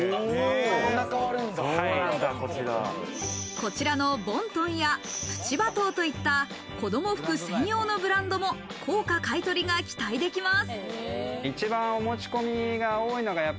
こちらのボントンやプチバトーといった子供服専用のブランドも高価買取が期待できます。